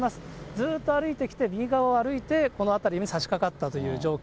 ずっと歩いてきて、右側を歩いて、この辺りに差しかかったという状況。